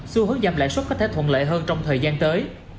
xu hướng giảm lãi suất có thể thuận lợi hơn trong thời gian tới